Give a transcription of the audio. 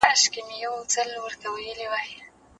استازي به د کليو د شوراګانو د پياوړتيا هڅه وکړي.